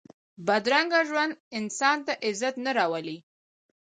بدرنګه ژوند انسان ته عزت نه راولي